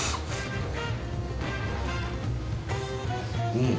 うん。